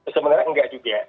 sebenarnya enggak juga ya